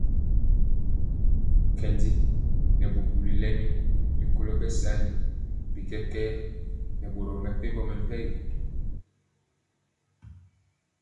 Nkendi nɛ bubuli lɛmi rikolo bɛsali bi kɛkɛɛ nɛ boro mepempɔ mɛmpegi.